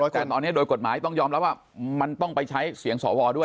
แต่ตอนนี้โดยกฎหมายต้องยอมรับว่ามันต้องไปใช้เสียงสวด้วย